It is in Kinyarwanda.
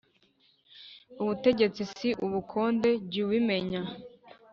Ubutegetsi si ubukonde jyu bimenya